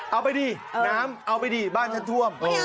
เอาไปดิน้ำเอาไปดิบ้านฉันท่วม